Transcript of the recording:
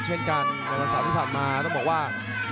เช่นกันรายการสามมือผลัพมาต้องบอกว่า